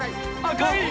赤い！